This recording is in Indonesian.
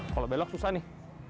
kalau belok susah nih